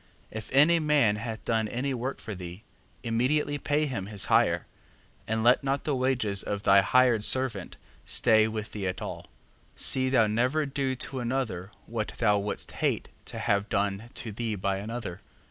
4:15. If any man hath done any work for thee, immediately pay him his hire, and let not the wages of thy hired servant stay with thee at all. 4:16. See thou never do to another what thou wouldst hate to have done to thee by another.